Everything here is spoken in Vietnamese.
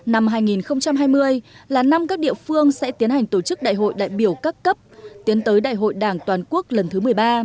năm hai nghìn hai mươi là năm các địa phương sẽ tiến hành tổ chức đại hội đại biểu các cấp tiến tới đại hội đảng toàn quốc lần thứ một mươi ba